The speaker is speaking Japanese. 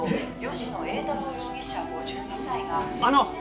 吉乃栄太郎容疑者５２歳があの！